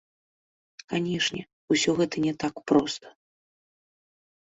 Канешне, усё гэта не так проста.